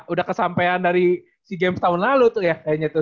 udah kesampean dari sea games tahun lalu tuh ya kayaknya tuh